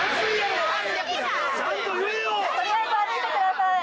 とりあえず歩いてください